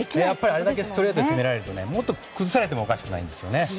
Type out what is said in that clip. あれだけストレートで攻められるともっと崩されてもおかしくないんですね。